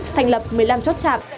thành lập một mươi năm chốt chạm